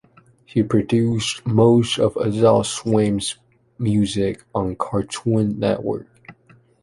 He produced most of Adult Swim's music on Cartoon Network.